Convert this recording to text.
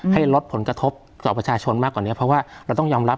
ให้ลดผลกระทบต่อประชาชนมากกว่านี้เพราะว่าเราต้องยอมรับ